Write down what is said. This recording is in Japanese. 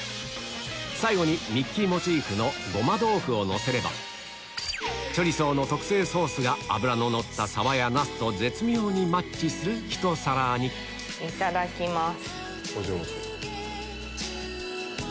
最後にミッキーモチーフのゴマ豆腐をのせればチョリソーの特製ソースが脂ののったサバやナスと絶妙にマッチするひと皿にいただきます。